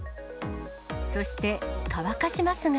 そして乾かしますが。